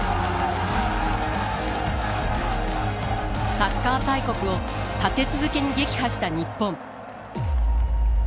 サッカー大国を立て続けに撃破した日本。